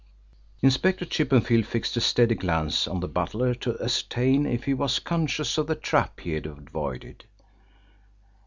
Inspector Chippenfield fixed a steady glance on the butler to ascertain if he was conscious of the trap he had avoided.